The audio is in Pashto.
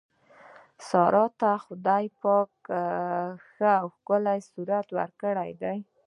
سارې ته خدای پاک ښه او ښکلی صورت ورکړی دی.